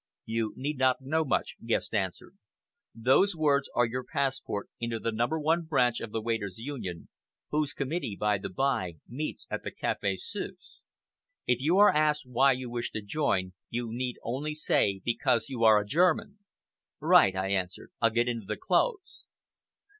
"You need not know much," Guest answered. "Those words are your passport into the No. 1 Branch of the Waiters' Union, whose committee, by the bye meet at the Café Suisse. If you are asked why you wish to join, you need only say because you are a German!" "Right," I answered. "I'll get into the clothes."